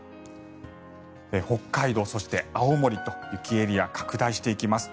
北海道、そして青森と雪エリアが拡大していきます。